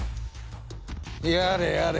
やれやれ。